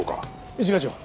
一課長。